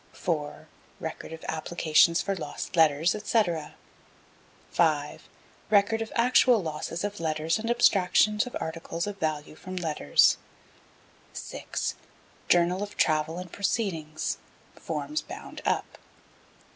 4. Record of applications for lost letters, &c. 5. Record of actual losses of letters and abstractions of articles of value from letters. 6. Journal of travel and proceedings (forms bound up.)